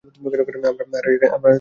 আমরা আর এখানে থাকতে পারবো না।